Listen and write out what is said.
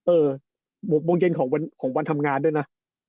๖โมงเย็นของวันทำงานด้วยนะ